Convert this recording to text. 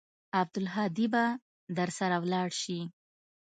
عبدالهادي به درسره ولاړ سي.